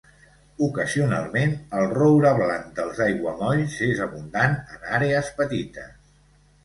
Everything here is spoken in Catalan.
Ocasionalment el roure blanc dels aiguamolls és abundant en àrees petites.